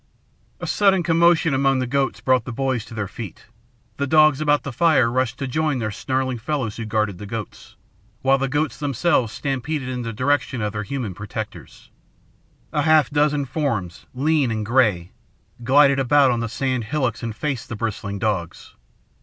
A sudden commotion among the goats brought the boys to their feet. The dogs about the fire rushed to join their snarling fellow who guarded the goats, while the goats themselves stampeded in the direction of their human protectors. A half dozen forms, lean and gray, glided about on the sand hillocks and faced the bristling dogs.